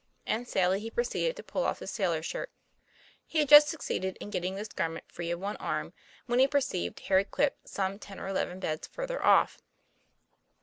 And sadly he proceeded to pull off his sailor shirt. He had just succeeded in getting this garment free of one arm, when he perceived Harry Quip some ten or eleven beds further off.